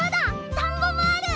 田んぼもある！